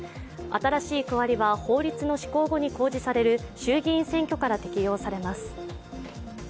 新しい区割りは法律の施行後に公示される衆議院選挙から適用されます。